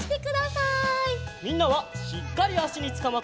みんなはしっかりあしにつかまって！